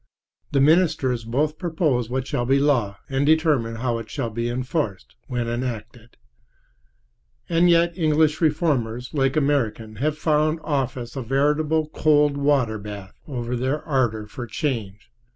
The ministers both propose what shall be law and determine how it shall be enforced when enacted. And yet English reformers, like American, have found office a veritable cold water bath for their ardor for change.